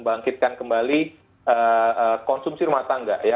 bangkitkan kembali konsumsi rumah tangga ya